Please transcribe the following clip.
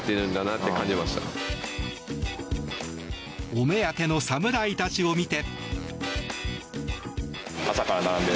お目当ての侍たちを見て。